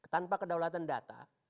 tanpa kedaulatan data